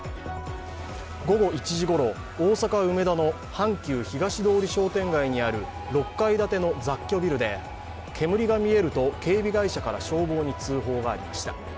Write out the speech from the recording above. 午後１時ごろ、大阪・梅田の阪急東通商店街にある６階建ての雑居ビルで、煙が見えると警備会社から消防に通報がありました。